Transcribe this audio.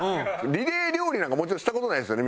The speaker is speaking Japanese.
リレー料理なんかもちろんした事ないですよね？